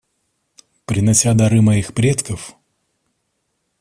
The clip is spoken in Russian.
Принося дары моих предков,.